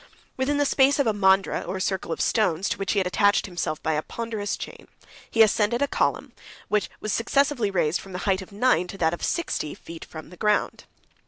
Within the space of a mandra, or circle of stones, to which he had attached himself by a ponderous chain, he ascended a column, which was successively raised from the height of nine, to that of sixty, feet from the ground.